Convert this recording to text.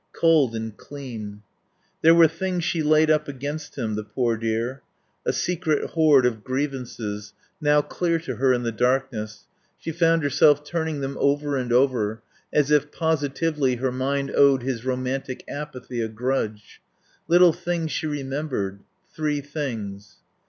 Cold and clean. There were things she laid up against him, the poor dear; a secret hoard of grievances now clear to her in the darkness; she found herself turning them over and over, as if positively her mind owed his romantic apathy a grudge. Little things she remembered. Three things.